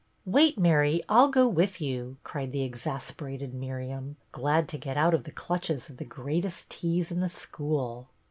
" Wait, Mary, I 'll go with you," cried the exasperated Miriam, glad to get out of the clutches of the greatest tease in the school.